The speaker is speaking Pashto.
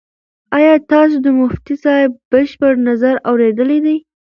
ایا تاسو د مفتي صاحب بشپړ نظر اورېدلی دی؟